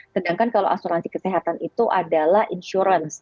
sedangkan kalau asuransi kesehatan itu adalah insurance